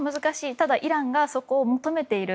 ただ、イランがそこを求めている。